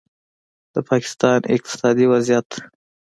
د پاکستان اقتصادي وضعیت